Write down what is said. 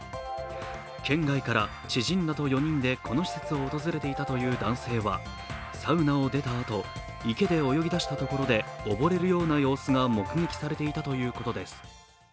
県外から知人らと４人でこの施設を訪れていたという男性はサウナを出たあと、池で泳ぎだしたところで溺れるような様子が目撃されていたということです。